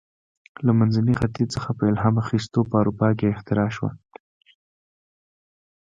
له منځني ختیځ څخه په الهام اخیستو په اروپا کې اختراع شوه.